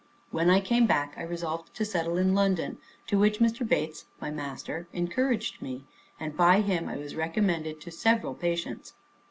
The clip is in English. When I came back, I resolved to settle in London, to which Mr. Bates, my master, encouraged me, and by him I was recommended to several patients.